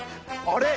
あれ？